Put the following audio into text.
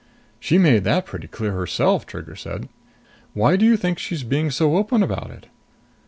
"She made that pretty clear herself!" Trigger said. "Why do you think she's being so open about it?"